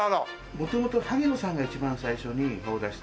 元々萩野さんが一番最初に顔出して。